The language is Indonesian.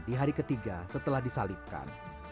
di hari ketiga setelah disalipkan